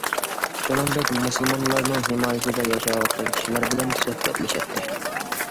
شۇنىڭدەك مۇسۇلمانلارنىڭ ھىمايىسىدە ياشاۋاتقان كىشىلەر بىلەن سۆھبەتلىشەتتى.